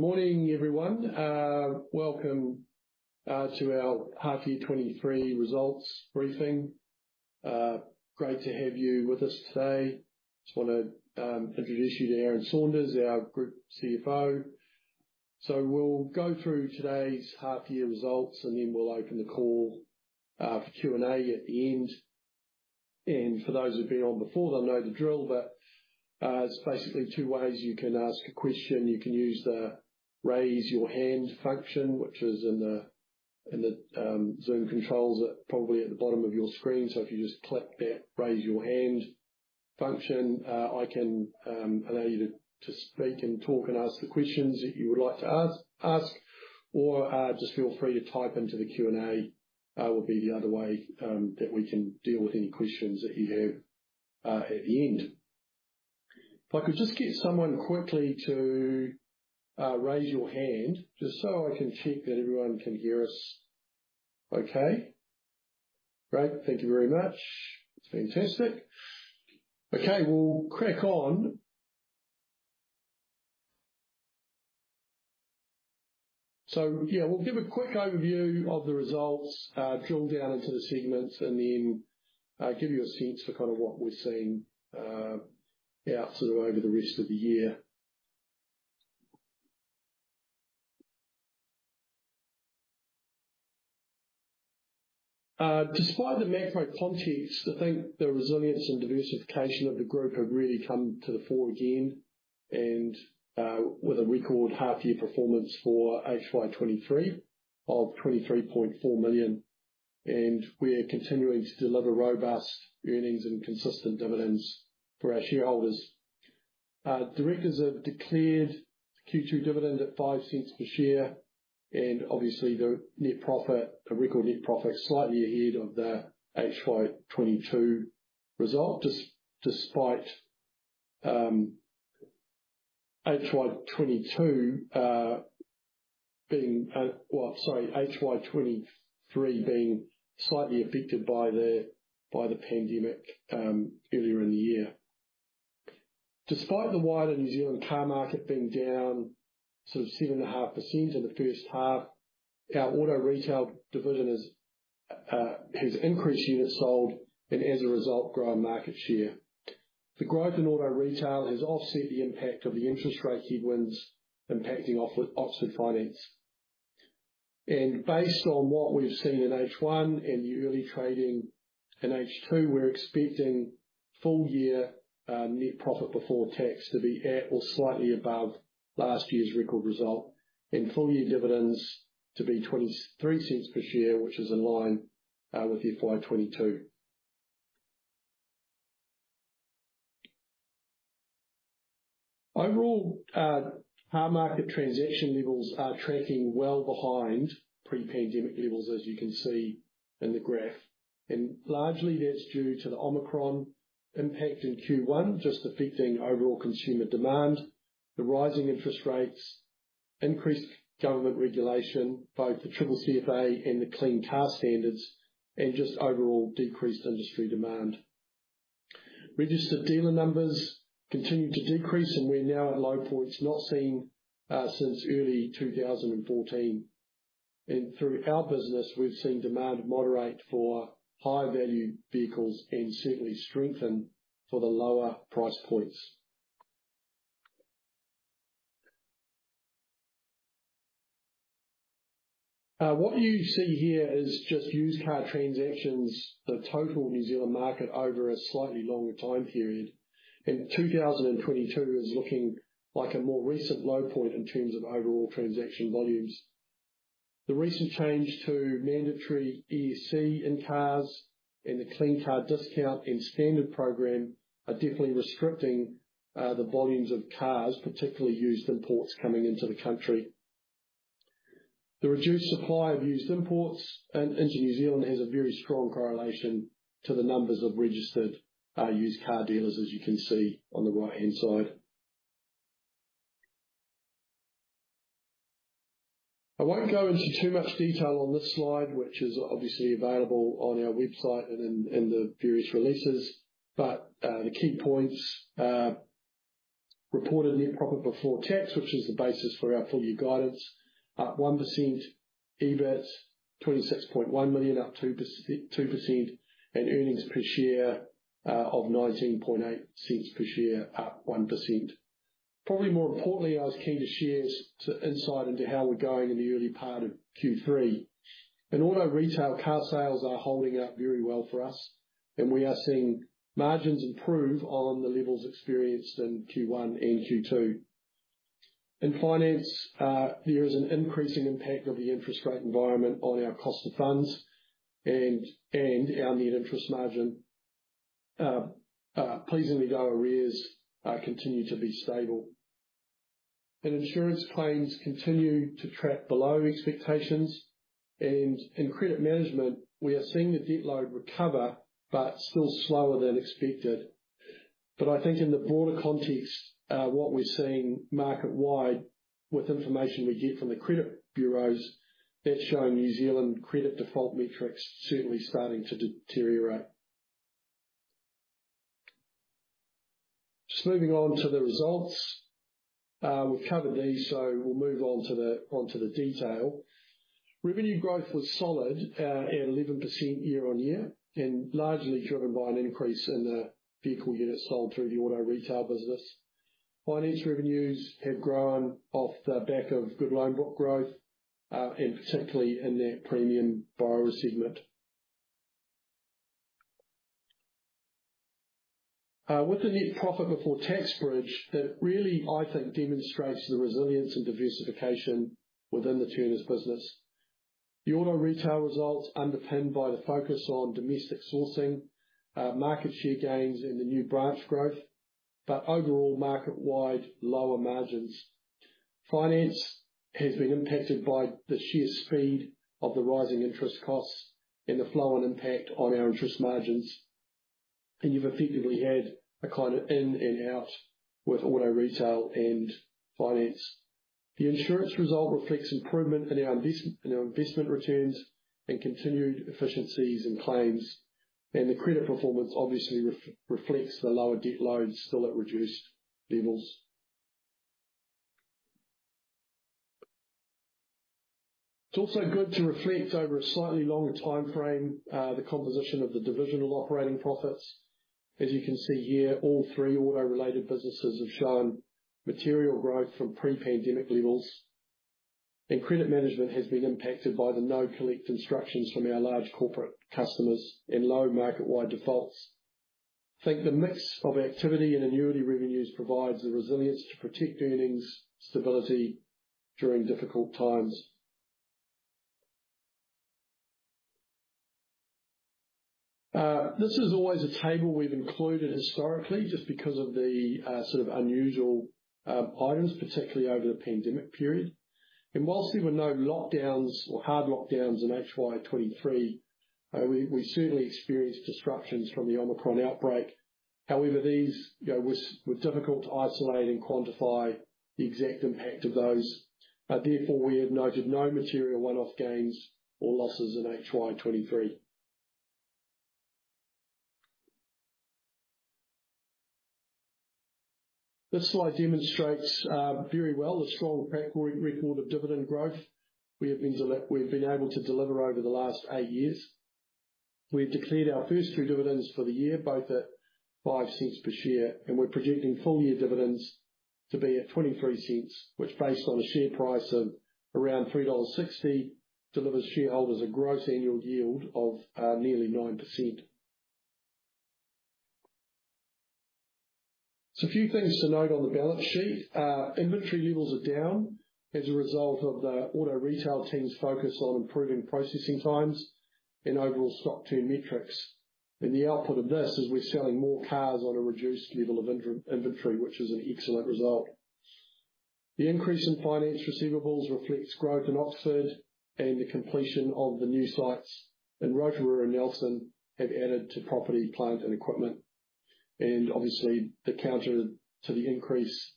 Good morning, everyone. Welcome to our half year 23 results briefing. Great to have you with us today. Just wanna introduce you to Aaron Saunders, our Group CFO. We'll go through today's half year results, and then we'll open the call for Q&A at the end. For those who've been on before, they'll know the drill, but it's basically two ways you can ask a question. You can use the Raise Your Hand function, which is in the Zoom controls at, probably at the bottom of your screen. If you just click that Raise Your Hand function, I can allow you to speak and talk and ask the questions that you would like to ask. Just feel free to type into the Q&A, would be the other way that we can deal with any questions that you have at the end. If I could just get someone quickly to raise your hand, just so I can check that everyone can hear us okay. Great. Thank you very much. That's fantastic. Okay, we'll crack on. Yeah, we'll give a quick overview of the results, drill down into the segments, and then give you a sense for kind of what we're seeing out sort of over the rest of the year. Despite the macro context, I think the resilience and diversification of the group have really come to the fore again and, with a record half year performance for HY23 of 23.4 million. We're continuing to deliver robust earnings and consistent dividends for our shareholders. Directors have declared Q2 dividend at 0.05 per share. Obviously the net profit, the record net profit, slightly ahead of the HY22 result, despite HY22 being or sorry, HY23 being slightly affected by the, by the pandemic earlier in the year. Despite the wider New Zealand car market being down sort of 7.5% in the first half, our Turners Auto Retail division has increased units sold and, as a result, grown market share. The growth in auto retail has offset the impact of the interest rate headwinds impacting Oxford Finance. Based on what we've seen in H1 and the early trading in H2, we're expecting full year net profit before tax to be at or slightly above last year's record result, and full year dividends to be 0.23 per share, which is in line with FY22. Overall, car market transaction levels are tracking well behind pre-pandemic levels, as you can see in the graph. Largely that's due to the Omicron impact in Q1, just affecting overall consumer demand, the rising interest rates, increased government regulation, both the CCCFA and the Clean Car Standards, and just overall decreased industry demand. Registered dealer numbers continue to decrease, and we're now at low points not seen since early 2014. Through our business, we've seen demand moderate for higher value vehicles and certainly strengthen for the lower price points. What you see here is just used car transactions, the total New Zealand market over a slightly longer time period. 2022 is looking like a more recent low point in terms of overall transaction volumes. The recent change to mandatory ESC in cars and the Clean Car Discount and standard program are definitely restricting the volumes of cars, particularly used imports, coming into the country. The reduced supply of used imports into New Zealand has a very strong correlation to the numbers of registered used car dealers, as you can see on the right-hand side. I won't go into too much detail on this slide, which is obviously available on our website and in the various releases, the key points reported net profit before tax, which is the basis for our full year guidance, up 1%, EBIT 26.1 million, up 2%, and earnings per share of 0.198 per share, up 1%. Probably more importantly, I was keen to share some insight into how we're going in the early part of Q3. In auto retail, car sales are holding up very well for us, and we are seeing margins improve on the levels experienced in Q1 and Q2. In finance, there is an increasing impact of the interest rate environment on our cost of funds and our net interest margin. Pleasingly our arrears continue to be stable. Insurance claims continue to track below expectations. In credit management, we are seeing the debt load recover, but still slower than expected. I think in the broader context, what we're seeing market-wide, with information we get from the credit bureaus, that's showing New Zealand credit default metrics certainly starting to deteriorate. Just moving on to the results. We've covered these, so we'll move on to the detail. Revenue growth was solid, at 11% year-on-year and largely driven by an increase in the vehicle units sold through the Auto Retail business. Finance revenues have grown off the back of good loan book growth, and particularly in that premium borrower segment. With the net profit before tax bridge, that really, I think, demonstrates the resilience and diversification within the Turners business. The Auto Retail results underpinned by the focus on domestic sourcing, market share gains in the new branch growth, but overall market-wide lower margins. Finance has been impacted by the sheer speed of the rising interest costs and the flow on impact on our interest margins. You've effectively had a kind of in and out with Auto Retail and Finance. The insurance result reflects improvement in our investment returns and continued efficiencies in claims. The credit performance obviously reflects the lower debt loads still at reduced levels. It's also good to reflect over a slightly longer timeframe, the composition of the divisional operating profits. As you can see here, all three auto-related businesses have shown material growth from pre-pandemic levels. Credit management has been impacted by the no collect instructions from our large corporate customers and low market-wide defaults. I think the mix of activity and annuity revenues provides the resilience to protect earnings stability during difficult times. This is always a table we've included historically just because of the sort of unusual items, particularly over the pandemic period. Whilst there were no lockdowns or hard lockdowns in FY 23, we certainly experienced disruptions from the Omicron outbreak. However, these, you know, were difficult to isolate and quantify the exact impact of those. Therefore, we have noted no material one-off gains or losses in FY 23. This slide demonstrates very well the strong track record of dividend growth we've been able to deliver over the last eight years. We've declared our first two dividends for the year, both at 0.05 per share. We're projecting full-year dividends to be at 0.23, which based on a share price of around 3.60 dollars, delivers shareholders a gross annual yield of nearly 9%. A few things to note on the balance sheet. Inventory levels are down as a result of the auto retail team's focus on improving processing times and overall stock turn metrics. The output of this is we're selling more cars on a reduced level of inventory, which is an excellent result. The increase in finance receivables reflects growth in Oxford and the completion of the new sites. Rotorua and Nelson have added to property, plant, and equipment. Obviously, the counter to the increase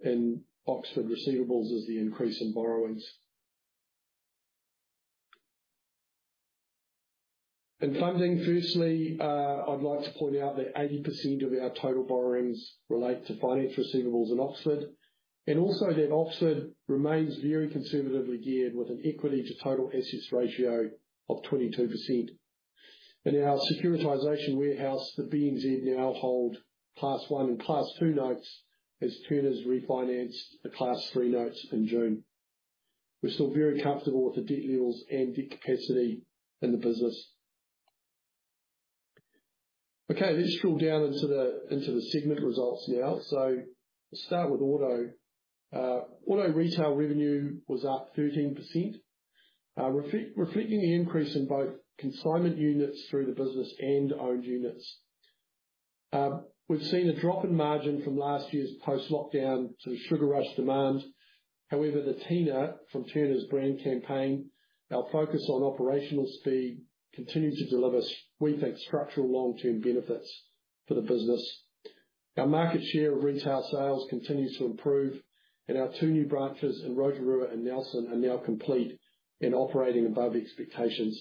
in Oxford receivables is the increase in borrowings. In funding, firstly, I'd like to point out that 80% of our total borrowings relate to finance receivables in Oxford. Also, Oxford remains very conservatively geared, with an equity to total assets ratio of 22%. In our securitization warehouse, the BNZ now hold Class A and Class B notes as Turners refinanced the Class C notes in June. We're still very comfortable with the debt levels and debt capacity in the business. Let's drill down into the segment results now. We'll start with auto. Auto retail revenue was up 13%, reflecting the increase in both consignment units through the business and owned units. We've seen a drop in margin from last year's post-lockdown sort of sugar rush demand. However, the Tina from Turners brand campaign, our focus on operational speed, continue to deliver, we think, structural long-term benefits for the business. Our market share of retail sales continues to improve, and our two new branches in Rotorua and Nelson are now complete and operating above expectations.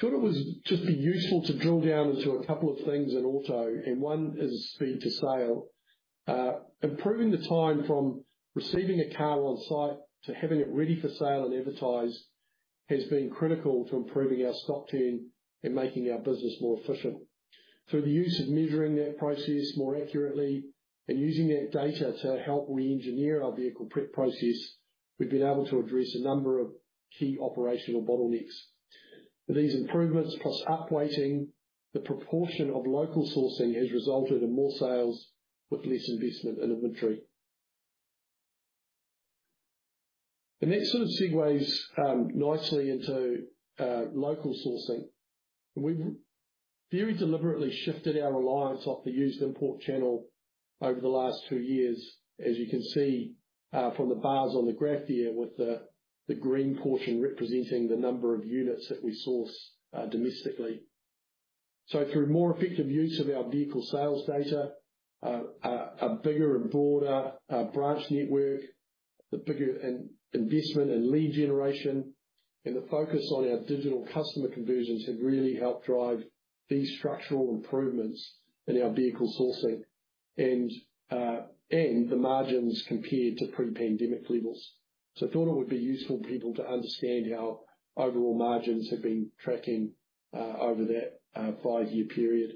Thought it was just be useful to drill down into a couple of things in auto, and one is speed to sale. Improving the time from receiving a car on-site to having it ready for sale and advertised has been critical to improving our stock turn and making our business more efficient. Through the use of measuring that process more accurately and using that data to help re-engineer our vehicle prep process, we've been able to address a number of key operational bottlenecks. These improvements, plus upweighting the proportion of local sourcing, has resulted in more sales with less investment in inventory. That sort of segues nicely into local sourcing. We've very deliberately shifted our reliance off the used import channel over the last two years, as you can see from the bars on the graph here, with the green portion representing the number of units that we source domestically. Through more effective use of our vehicle sales data, a bigger and broader branch network the bigger investment and lead generation and the focus on our digital customer conversions have really helped drive these structural improvements in our vehicle sourcing and the margins compared to pre-pandemic levels. I thought it would be useful for people to understand how overall margins have been tracking over that five-year period.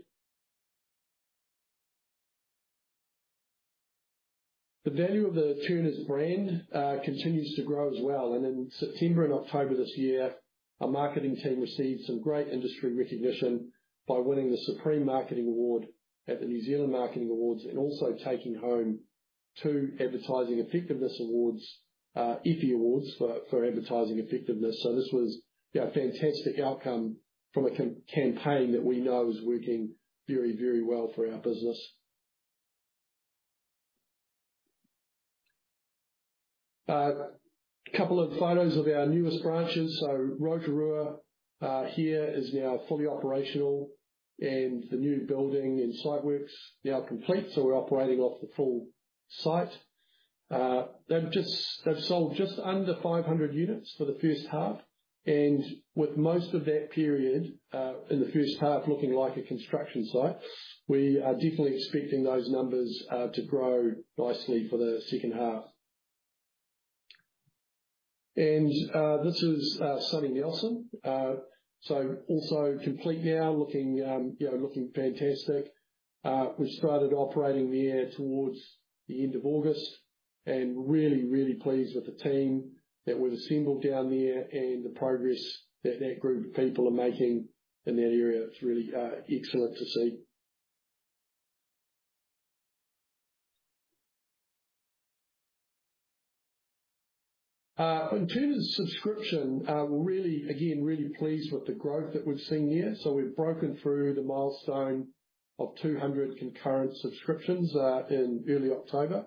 The value of the Turners brand continues to grow as well. In September and October this year, our marketing team received some great industry recognition by winning the NZ Marketing Supreme Award at the NZ Marketing Awards and also taking home two Advertising Effectiveness Awards, Effie Awards for advertising effectiveness. This was a fantastic outcome from a campaign that we know is working very, very well for our business. Couple of photos of our newest branches. Rotorua, here is now fully operational, and the new building and site works now complete. We're operating off the full site. They've sold just under 500 units for the first half. With most of that period, in the first half looking like a construction site, we are definitely expecting those numbers to grow nicely for the second half. This is sunny Nelson. Also complete now, looking, you know, looking fantastic. We started operating there towards the end of August and really, really pleased with the team that was assembled down there and the progress that that group of people are making in that area. It's really excellent to see. In terms of subscription, we're really, again, really pleased with the growth that we've seen here. We've broken through the milestone of 200 concurrent subscriptions in early October.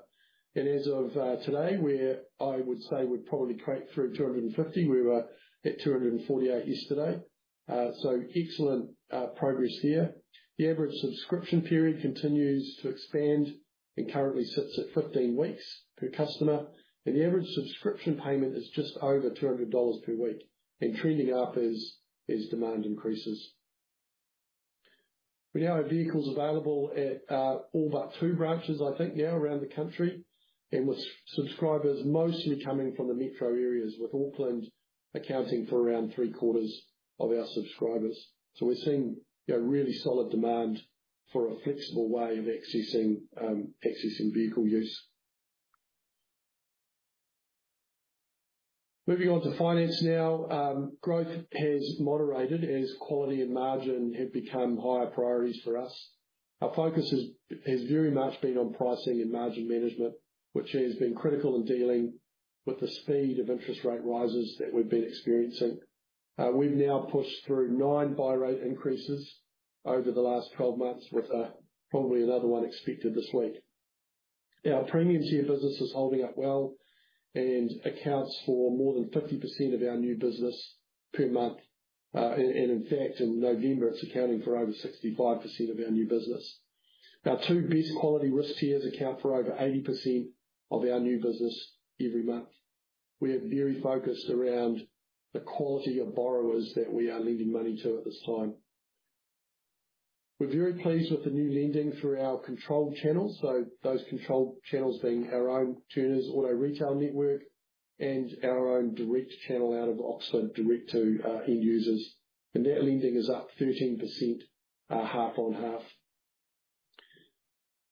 As of today, I would say we've probably cracked through 250. We were at 248 yesterday. Excellent progress here. The average subscription period continues to expand and currently sits at 15 weeks per customer. The average subscription payment is just over 200 dollars per week and trending up as demand increases. We now have vehicles available at all but 2 branches, I think now, around the country, and with subscribers mostly coming from the metro areas, with Auckland accounting for around three-quarters of our subscribers. We're seeing, yeah, really solid demand for a flexible way of accessing vehicle use. Moving on to finance now. Growth has moderated as quality and margin have become higher priorities for us. Our focus has very much been on pricing and margin management, which has been critical in dealing with the speed of interest rate rises that we've been experiencing. We've now pushed through 9 buy rate increases over the last 12 months, with probably another 1 expected this week. Our premium tier business is holding up well and accounts for more than 50% of our new business per month. In fact, in November, it's accounting for over 65% of our new business. Our two best quality risk tiers account for over 80% of our new business every month. We are very focused around the quality of borrowers that we are lending money to at this time. We're very pleased with the new lending through our controlled channels. Those controlled channels being our own Turners Auto Retail network and our own direct channel out of Oxford direct to end users. That lending is up 13% half on half.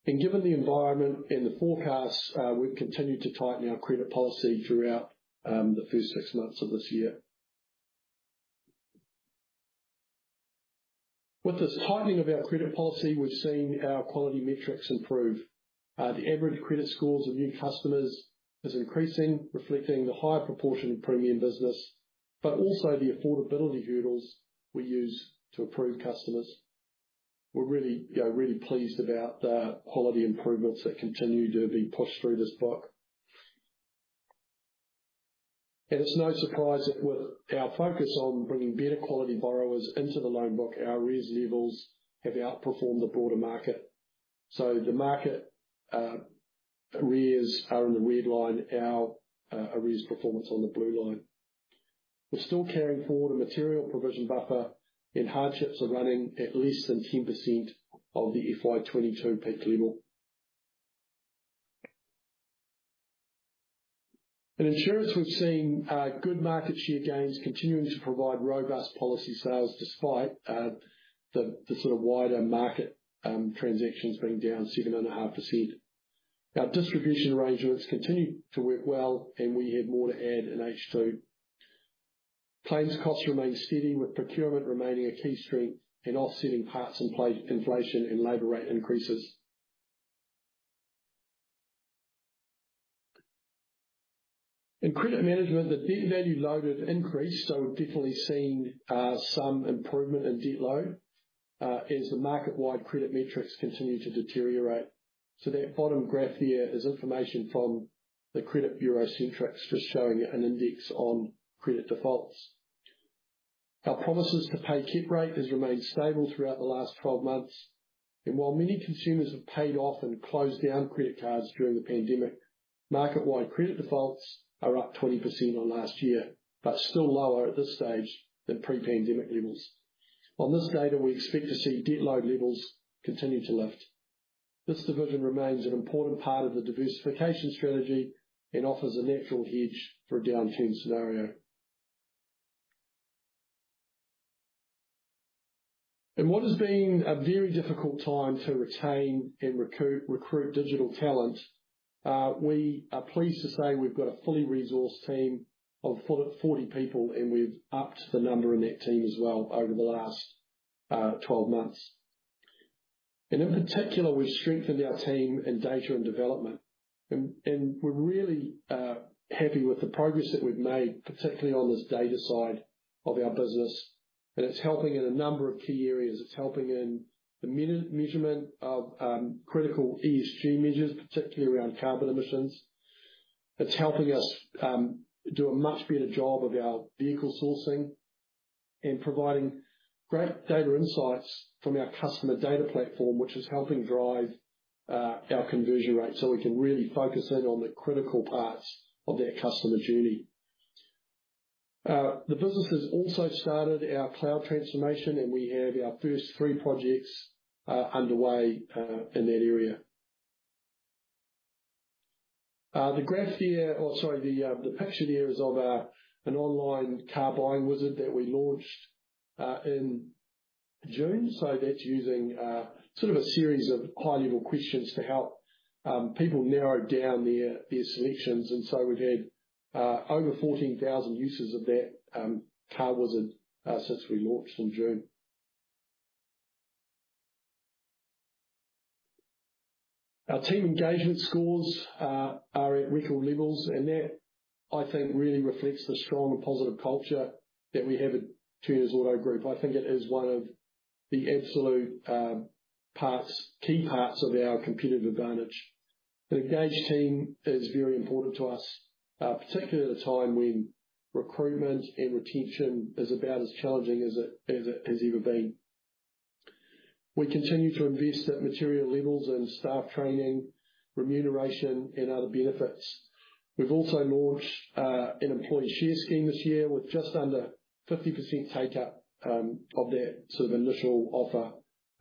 Given the environment and the forecasts, we've continued to tighten our credit policy throughout the first six months of this year. With this tightening of our credit policy, we've seen our quality metrics improve. The average credit scores of new customers is increasing, reflecting the higher proportion of premium business, but also the affordability hurdles we use to approve customers. We're really, you know, really pleased about the quality improvements that continue to be pushed through this book. It's no surprise that with our focus on bringing better quality borrowers into the loan book, our arrears levels have outperformed the broader market. The market, arrears are in the red line. Our, arrears performance on the blue line. We're still carrying forward a material provision buffer, and hardships are running at less than 10% of the FY 22 peak level. In insurance, we've seen good market share gains continuing to provide robust policy sales despite the sort of wider market transactions being down 7.5%. Our distribution arrangements continue to work well. We have more to add in H2. Claims costs remain steady, with procurement remaining a key strength in offsetting parts inflation and labor rate increases. In credit management, the debt value loaded increased. We've definitely seen some improvement in debt load as the market-wide credit metrics continue to deteriorate. That bottom graph here is information from the Credit Bureau Centrix, just showing an index on credit defaults. Our promises to pay keep rate has remained stable throughout the last 12 months. While many consumers have paid off and closed down credit cards during the pandemic, market-wide credit defaults are up 20% on last year, still lower at this stage than pre-pandemic levels. On this data, we expect to see debt load levels continue to lift. This division remains an important part of the diversification strategy and offers a natural hedge for a downturn scenario. In what has been a very difficult time to retain and recruit digital talent, we are pleased to say we've got a fully resourced team of 40 people, and we've upped the number in that team as well over the last 12 months. In particular, we've strengthened our team in data and development. We're really happy with the progress that we've made, particularly on this data side of our business. It's helping in a number of key areas. It's helping in the measurement of critical ESG measures, particularly around carbon emissions. It's helping us do a much better job of our vehicle sourcing and providing great data insights from our customer data platform, which is helping drive our conversion rate, so we can really focus in on the critical parts of that customer journey. The business has also started our cloud transformation, and we have our first three projects underway in that area. The graph here or, sorry, the picture here is of an online car buying wizard that we launched in June. That's using sort of a series of high-level questions to help people narrow down their selections. We've had over 14,000 users of that car wizard since we launched in June. Our team engagement scores are at record levels, and that, I think, really reflects the strong and positive culture that we have at Turners Automotive Group. I think it is one of the absolute parts, key parts of our competitive advantage. An engaged team is very important to us, particularly at a time when recruitment and retention is about as challenging as it has ever been. We continue to invest at material levels in staff training, remuneration and other benefits. We've also launched an employee share scheme this year with just under 50% take up of that sort of initial offer.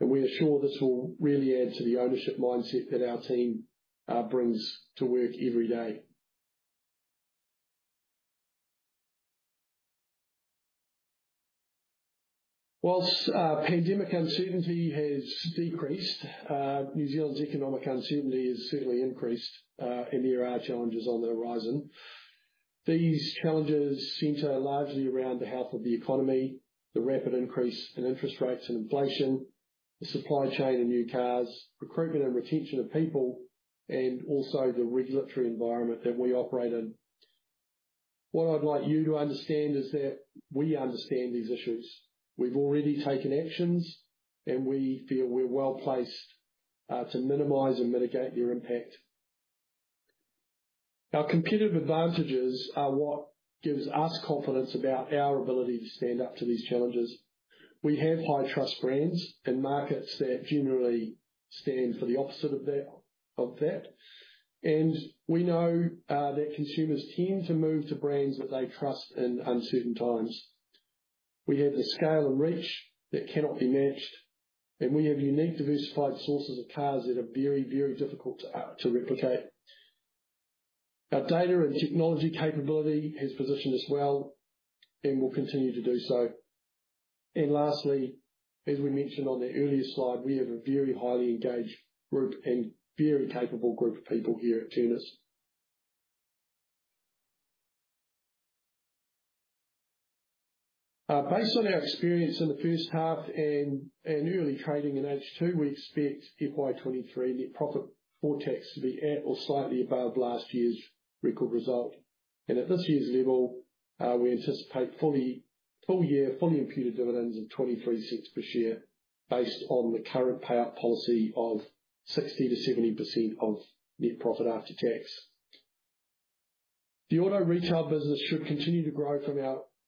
We are sure this will really add to the ownership mindset that our team brings to work every day. Whilst pandemic uncertainty has decreased, New Zealand's economic uncertainty has certainly increased. There are challenges on the horizon. These challenges center largely around the health of the economy, the rapid increase in interest rates and inflation, the supply chain in new cars, recruitment and retention of people, and also the regulatory environment that we operate in. What I'd like you to understand is that we understand these issues. We've already taken actions, and we feel we're well placed to minimize and mitigate their impact. Our competitive advantages are what gives us confidence about our ability to stand up to these challenges. We have high trust brands in markets that generally stand for the opposite of that. We know that consumers tend to move to brands that they trust in uncertain times. We have the scale and reach that cannot be matched. We have unique diversified sources of cars that are very difficult to replicate. Our data and technology capability has positioned us well and will continue to do so. Lastly, as we mentioned on the earlier slide, we have a very highly engaged group and very capable group of people here at Turners. Based on our experience in the first half and early trading in H2, we expect FY23 net profit before tax to be at or slightly above last year's record result. At this year's level, we anticipate full-year fully imputed dividends of 0.23 per share based on the current payout policy of 60%-70% of net profit after tax. The auto retail business should continue to grow from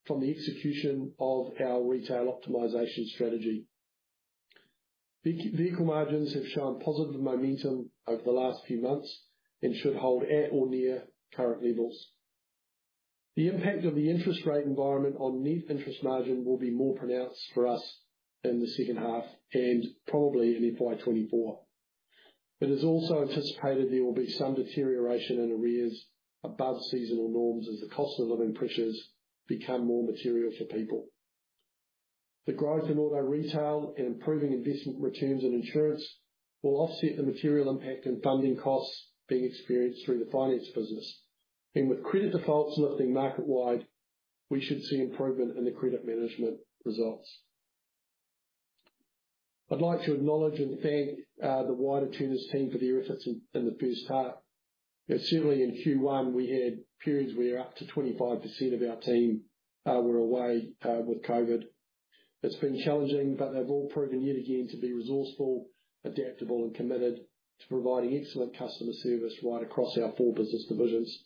the execution of our retail optimization strategy. Vehicle margins have shown positive momentum over the last few months and should hold at or near current levels. The impact of the interest rate environment on net interest margin will be more pronounced for us in the second half and probably in FY 2024. It is also anticipated there will be some deterioration in arrears above seasonal norms as the cost of living pressures become more material for people. The growth in auto retail and improving investment returns and insurance will offset the material impact in funding costs being experienced through the finance business. With credit defaults lifting market wide, we should see improvement in the credit management results. I'd like to acknowledge and thank the wider Turners team for their efforts in the first half. Certainly in Q1 we had periods where up to 25% of our team were away with COVID. It's been challenging, but they've all proven yet again to be resourceful, adaptable and committed to providing excellent customer service right across our four business divisions.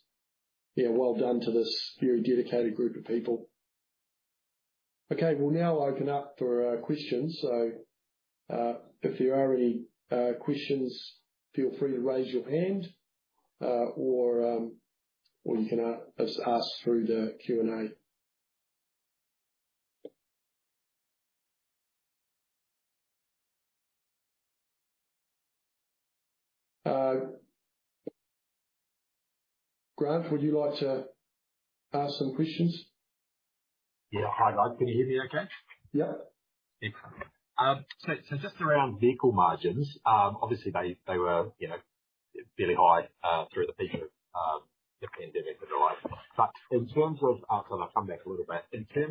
Yeah, well done to this very dedicated group of people. Okay, we'll now open up for questions. If there are any questions, feel free to raise your hand, or you can ask through the Q&A. Grant, would you like to ask some questions? Yeah. Hi, guys. Can you hear me okay? Yeah. So just around vehicle margins. Obviously they were, you know, very high through the peak of the pandemic and the like. In terms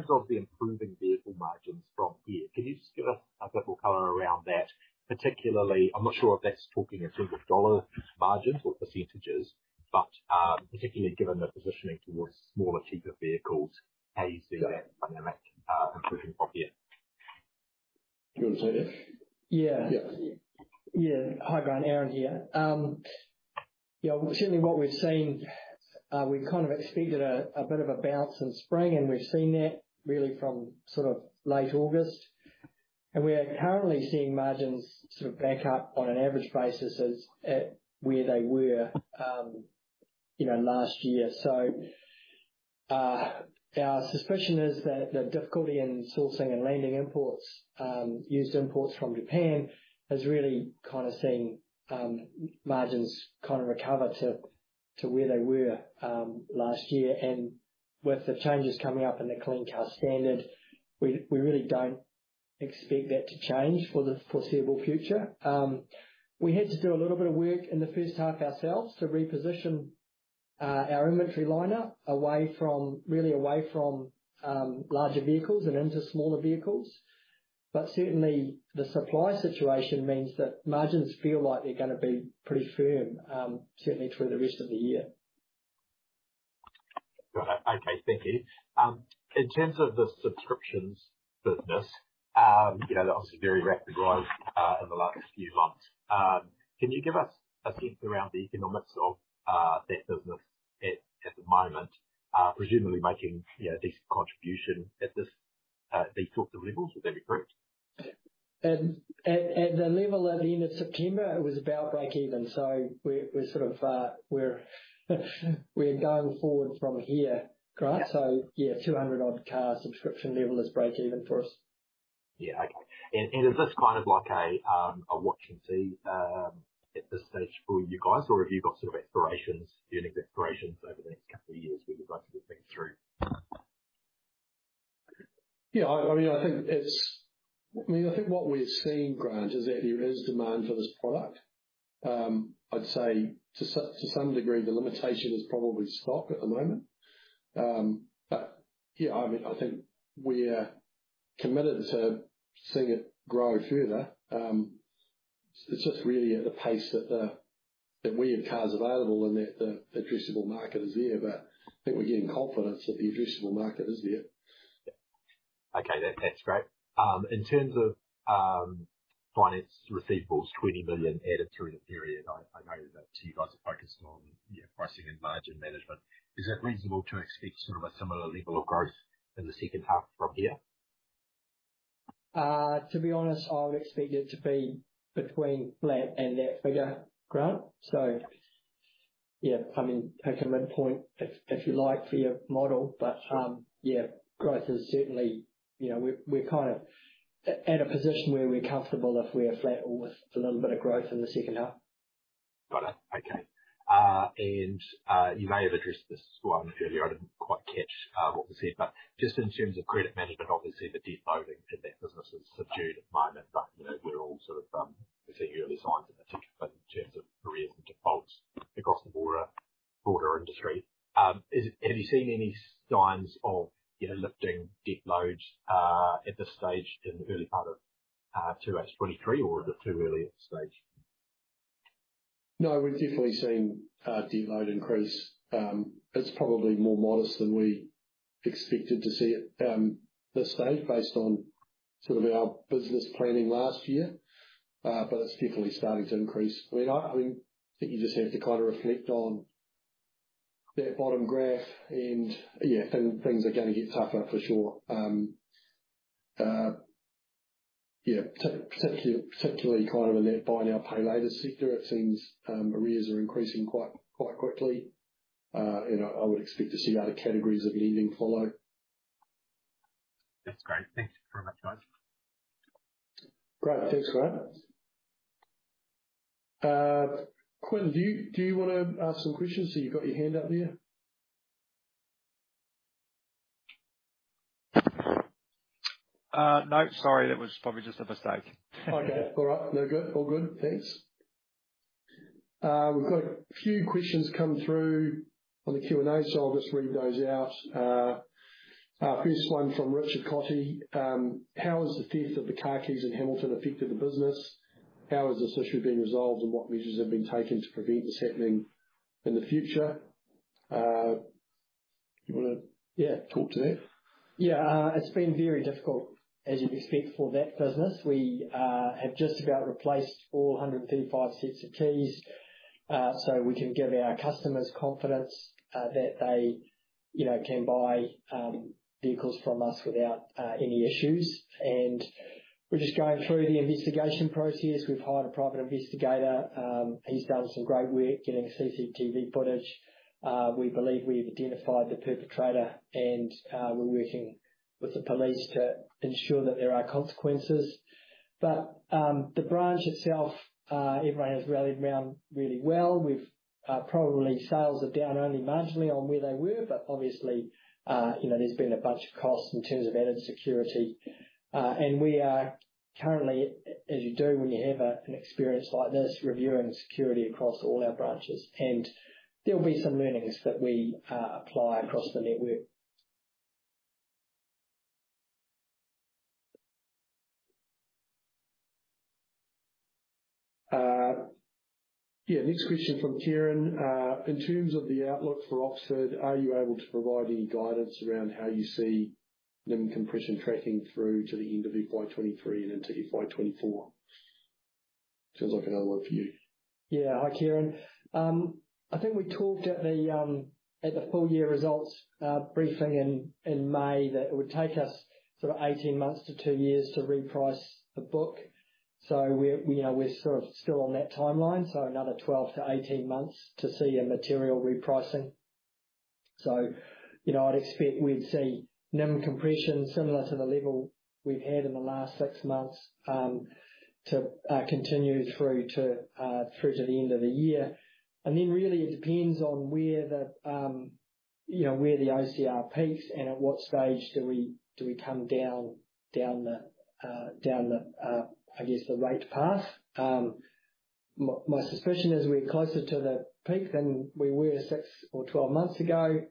of the improving vehicle margins from here, can you just give us a bit more color around that? Particularly, I'm not sure if that's talking in terms of dollar margins or percentages, but particularly given the positioning towards smaller, cheaper vehicles, how you see that dynamic improving from here. Do you want to take that? Yeah. Yeah. Yeah. Hi, Grant. Aaron here. Yeah, well, certainly what we've seen, we kind of expected a bit of a bounce in spring. We've seen that really from sort of late August. We are currently seeing margins sort of back up on an average basis as at where they were, you know, last year. Our suspicion is that the difficulty in sourcing and landing imports, used imports from Japan, has really kind of seen margins kind of recover to where they were, last year. With the changes coming up in the Clean Car Standard, we really don't expect that to change for the foreseeable future. We had to do a little bit of work in the first half ourselves to reposition our inventory lineup away from, really away from larger vehicles and into smaller vehicles. Certainly the supply situation means that margins feel like they're gonna be pretty firm, certainly through the rest of the year. Got it. Okay. Thank you. In terms of the subscriptions business, you know, that was a very rapid growth in the last few months. Can you give us a sense around the economics of that business at the moment, presumably making, you know, a decent contribution at this these sorts of levels? Would that be correct? At the level at the end of September, it was about breakeven. We're sort of, we're going forward from here, Grant. Yeah. Yeah, 200 odd car subscription level is breakeven for us. Yeah. Okay. Is this kind of like a watch and see, at this stage for you guys? Or have you got sort of aspirations, earnings aspirations over the next couple of years where you'd like to get things through? Yeah. I mean, I think what we're seeing, Grant, is that there is demand for this product. I'd say to some degree, the limitation is probably stock at the moment. Yeah, I mean, I think we're committed to seeing it grow further. It's just really at the pace that we have cars available and that the addressable market is there. I think we're getting confidence that the addressable market is there. Yeah. Okay. That's great. In terms of finance receivables, 20 million added through the period. I know that you guys are focused on, you know, pricing and margin management. Is it reasonable to expect sort of a similar level of growth in the second half from here? To be honest, I would expect it to be between flat and that figure, Grant. Yeah, I mean, pick a midpoint if you like, for your model. Yeah, growth is certainly, you know. We're kind of at a position where we're comfortable if we are flat or with a little bit of growth in the second half. Got it. Okay. You may have addressed this one earlier. I didn't quite catch what was said. Just in terms of credit management, obviously the debt loading in that business is subdued at the moment. You know, we're all sort of seeing early signs in the future, but in terms of arrears and defaults across the broader industry. Have you seen any signs of, you know, lifting debt loads at this stage in the early part of 2023 or is it too early at this stage? We've definitely seen debt load increase. It's probably more modest than we expected to see at this stage based on sort of our business planning last year. But it's definitely starting to increase. I mean, I think you just have to kind of reflect on that bottom graph and yeah. Things are gonna get tougher for sure. Particularly kind of in that buy now, pay later sector, it seems arrears are increasing quite quickly. I would expect to see the other categories of lending follow. That's great. Thank you very much, guys. Great. Thanks, Grant. Quinn, do you wanna ask some questions? I see you've got your hand up there. No, sorry. That was probably just a mistake. Okay. All right. No, good. All good. Thanks. We've got a few questions come through on the Q&A, so I'll just read those out. First one from Richard Cotter. How has the theft of the car keys in Hamilton affected the business? How has this issue been resolved, and what measures have been taken to prevent this happening in the future? Yeah. Talk to that? Yeah. It's been very difficult, as you'd expect for that business. We have just about replaced all 135 sets of keys, so we can give our customers confidence that they, you know, can buy vehicles from us without any issues. We're just going through the investigation process. We've hired a private investigator. He's done some great work getting CCTV footage. We believe we've identified the perpetrator, and we're working with the police to ensure that there are consequences. The branch itself, everyone has rallied around really well. Probably sales are down only marginally on where they were, but obviously, you know, there's been a bunch of costs in terms of added security. We are currently, as you do when you have an experience like this, reviewing security across all our branches. There will be some learnings that we apply across the network. Yeah. Next question from Kieran. In terms of the outlook for Oxford, are you able to provide any guidance around how you see NIM compression tracking through to the end of FY 2023 and into FY 2024? Sounds like another one for you. Yeah. Hi, Kieran. I think we talked at the full year results briefing in May that it would take us sort of 18 months to two years to reprice the book. We're, you know, we're sort of still on that timeline, so another 12-18 months to see a material repricing. You know, I'd expect we'd see NIM compression similar to the level we've had in the last six months to continue through to the end of the year. Then really it depends on where the, you know, where the OCR peaks and at what stage do we come down the, I guess, the rate path. My suspicion is we're closer to the peak than we were six or 12 months ago.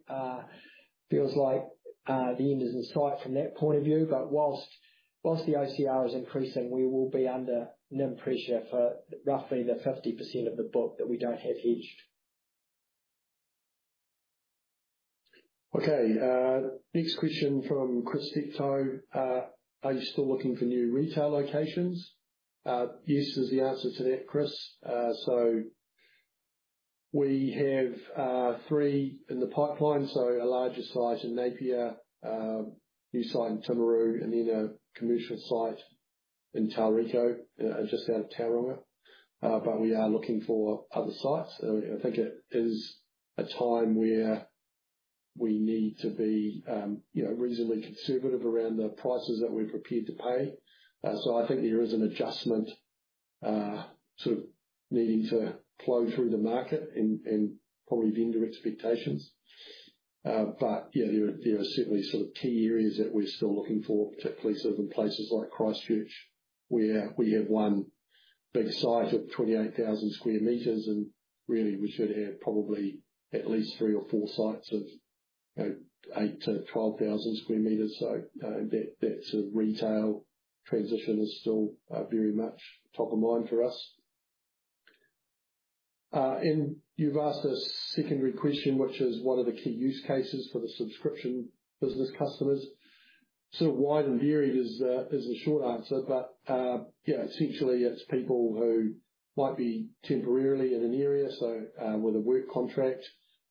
Feels like the end is in sight from that point of view. Whilst the OCR is increasing, we will be under NIM pressure for roughly the 50% of the book that we don't have hedged. Okay. Next question from Chris Tipton. Are you still looking for new retail locations? Yes is the answer to that, Chris. We have three in the pipeline, a larger site in Napier, new site in Timaru, and then a commercial site in Tauriko, just out of Tauranga. We are looking for other sites. I think it is a time where we need to be, you know, reasonably conservative around the prices that we're prepared to pay. I think there is an adjustment, sort of needing to flow through the market and probably vendor expectations. Yeah, there are, there are certainly sort of key areas that we're still looking for, particularly sort of in places like Christchurch where we have one big site of 28,000 square meters and really we should have probably at least three or four sites of, you know, 8,000-12,000 square meters. That, that sort of retail transition is still, very much top of mind for us. You've asked a secondary question, which is one of the key use cases for the subscription business customers. Sort of wide and varied is the short answer. Yeah, essentially, it's people who might be temporarily in an area, so, with a work contract,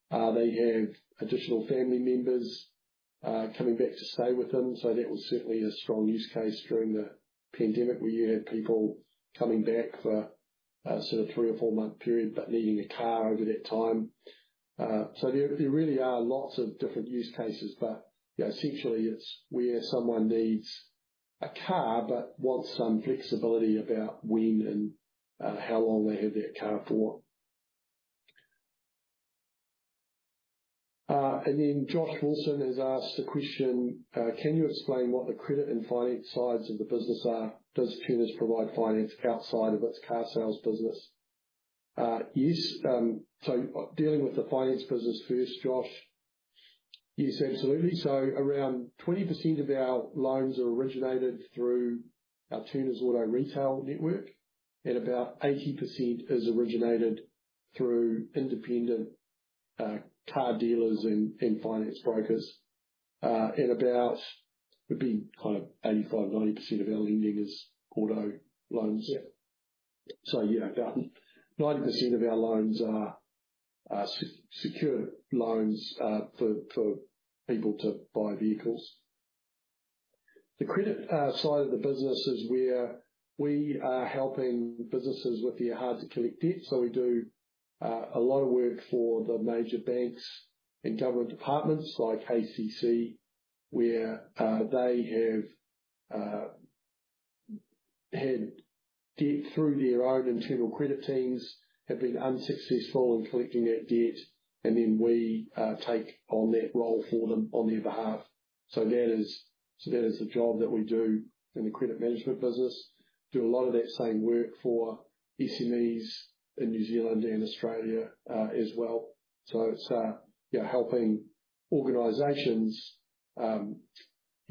they have additional family members, coming back to stay with them. That was certainly a strong use case during the pandemic where you had people coming back for, sort of three or four-month period, but needing a car over that time. There, there really are lots of different use cases. Essentially, it's where someone needs a car but wants some flexibility about when and how long they have their car for. Then Josh Wilson has asked a question. Can you explain what the credit and finance sides of the business are? Does Turners provide finance outside of its car sales business? Yes. Dealing with the finance business first, Josh. Yes, absolutely. Around 20% of our loans are originated through our Turners Auto Retail network, and about 80% is originated through independent car dealers and finance brokers. And about maybe kind of 85%, 90% of our lending is auto loans. Yeah. About 90% of our loans are secure loans for people to buy vehicles. The credit side of the business is where we are helping businesses with their hard-to-collect debts. We do a lot of work for the major banks and government departments like ACC, where they have had debt through their own internal credit teams, have been unsuccessful in collecting that debt, and then we take on that role for them on their behalf. That is the job that we do in the credit management business. Do a lot of that same work for SMEs in New Zealand and Australia as well. It's, you know, helping organizations, you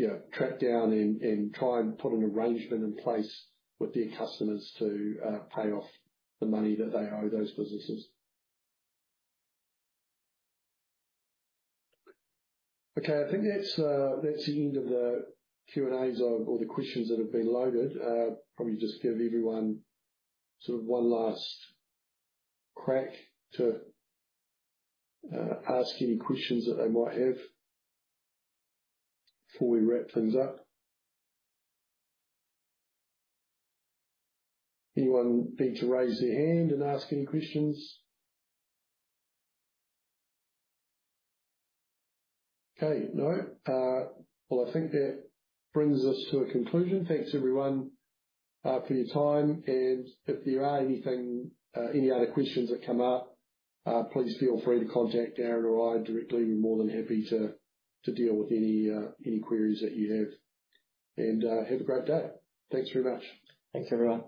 know, track down and try and put an arrangement in place with their customers to pay off the money that they owe those businesses. Okay. I think that's the end of the Q&A's or the questions that have been loaded. Probably just give everyone sort of one last crack to ask any questions that they might have before we wrap things up. Anyone need to raise their hand and ask any questions? Okay. No? Well, I think that brings us to a conclusion. Thanks, everyone, for your time. If there are anything, any other questions that come up, please feel free to contact Darren or I directly. We're more than happy to deal with any queries that you have. Have a great day. Thanks very much. Thanks, everyone.